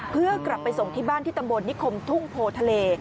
เพื่อกลับไปส่งที่บ้านที่ตำบลนิคมทุ่งโพทะเล